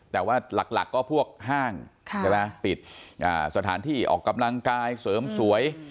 แต่ว่าหลักก็พวกห้างใช่ไหมปิดสถานที่ออกกำลังกายเสริมสวย